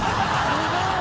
すごい。